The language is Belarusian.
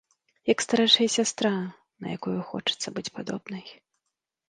Як старэйшая сястра, на якую хочацца быць падобнай.